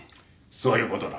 そういう事だ。